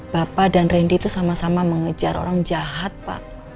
bapak dan randy itu sama sama mengejar orang jahat pak